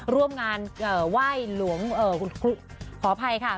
ร่วมงานไหว้หลวงขออภัยค่ะ